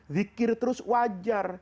zikir terus wajar